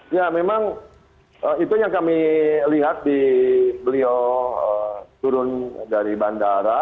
ya memang itu yang kami lihat di beliau turun dari bandara